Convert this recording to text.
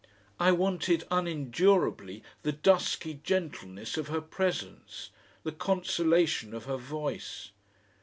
I wanted unendurably the dusky gentleness of her presence, the consolation of her voice.